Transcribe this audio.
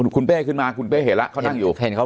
คุณเป้ขึ้นมาคุณเป้เห็นแล้วเขานั่งอยู่